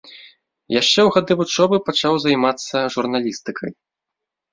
Яшчэ ў гады вучобы пачаў займацца журналістыкай.